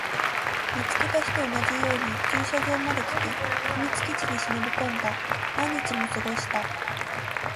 見つけた日と同じように駐車場まで来て、秘密基地に忍び込んだ。何日も過ごした。